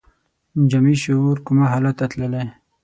جمعي شعور کوما حالت ته تللی